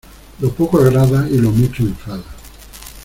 Lo poco agrada y lo mucho enfada.